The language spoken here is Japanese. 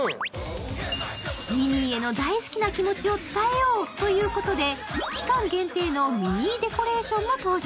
ミニーへの大好きな気持ちを伝えようということで、期間限定のミニーデコレーションも登場。